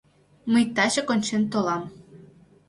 Мый тачак ончен толам.